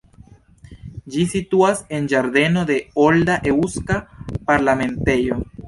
Ĝi situas en ĝardeno de olda eŭska parlamentejo.